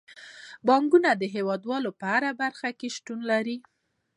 بانکونه د هیواد په هره برخه کې شتون لري.